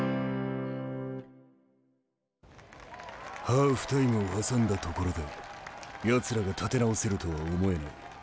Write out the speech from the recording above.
ハーフタイムを挟んだところでやつらが立て直せるとは思えない。